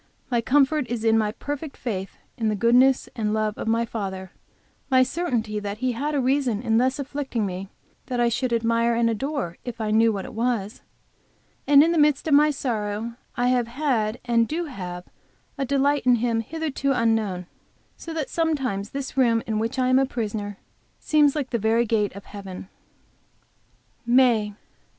My comfort is in my perfect faith in the goodness and love of my Father, my certainty that He had a reason in thus afflicting me that I should admire and adore if I knew what it was. And in the midst of my sorrow I have had and do have a delight in Him hitherto unknown, so that sometimes this room in which I am a prisoner seems like the very gate of heaven. MAY.